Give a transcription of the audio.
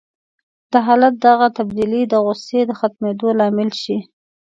د حالت دغه تبديلي د غوسې د ختمېدو لامل شي.